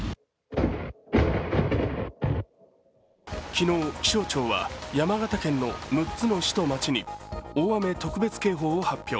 昨日、気象庁は山形県の６つの市と町に大雨特別警報を発表。